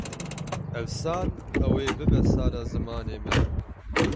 Ev sal ew ê bibe sala zimanê me.